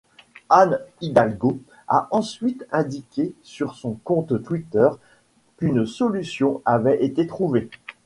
Anne Hidalgo a ensuite indiqué sur son compte twitter qu'une solution avait été trouvée.